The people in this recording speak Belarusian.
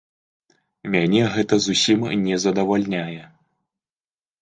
Мяне гэта зусім не задавальняе.